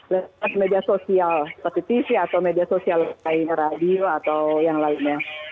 lewat media sosial seperti tv atau media sosial radio atau yang lainnya